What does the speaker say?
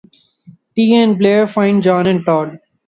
Tea and Blair find John and Todd.